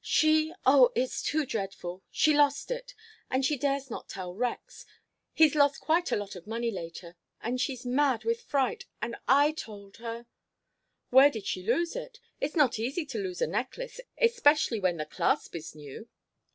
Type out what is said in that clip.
She oh, it's too dreadful she lost it and she dares not tell Rex he's lost quite a lot of money lately and she's mad with fright and I told her " "Where did she lose it? It's not easy to lose a necklace, especially when the clasp is new."